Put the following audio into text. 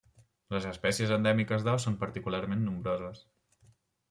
Les espècies endèmiques d'aus són particularment nombroses.